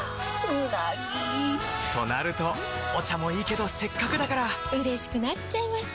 うなぎ！となるとお茶もいいけどせっかくだからうれしくなっちゃいますか！